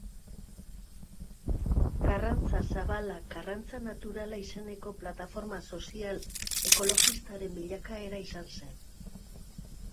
Karrantza Zabala Karrantza Naturala izeneko plataforma sozial-ekologistaren bilakaera izan zen.